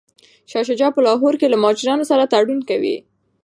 شاه شجاع په لاهور کي له مهاراجا سره تړون کوي.